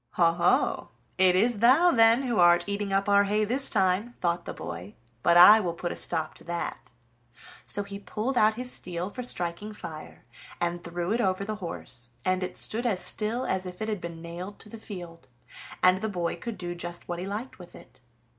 "Ho, ho! it is thou, then, who art eating up our hay this time," thought the boy; "but I will put a stop to that." So he pulled out his steel for striking fire, and threw it over the horse, and it stood as still as if it had been nailed to the field, and the boy could do just what he liked with it.